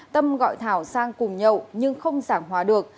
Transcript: tâm gọi thảo sang cùng nhậu nhưng không giảng hòa được